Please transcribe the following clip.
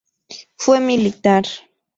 Fue militar.